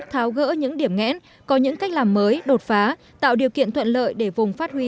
tháo gỡ những điểm ngẽn có những cách làm mới đột phá tạo điều kiện thuận lợi để vùng phát huy